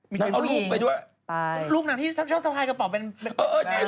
มีลูกอ่อหรอนางเค้ายังไง